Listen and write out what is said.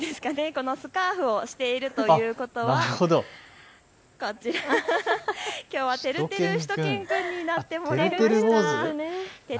このスカーフをしているということはこちら、きょうはてるてるしゅと犬くんになってもらいました。